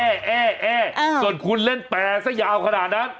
เอ้อเอ้ออ้าวจนคุณเล่นแปรจะยาวนานนั้น